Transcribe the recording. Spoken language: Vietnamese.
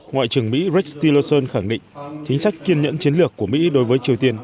ngoại trưởng mỹ rex tillerson khẳng định chính sách kiên nhẫn chiến lược của mỹ đối với triều tiên